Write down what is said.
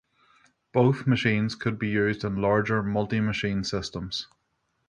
Both machines could be used in larger multi-machine systems.